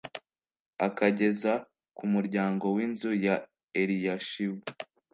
akageza ku muryango w inzu ya Eliyashibu